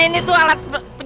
ini tuh alat penyembuhan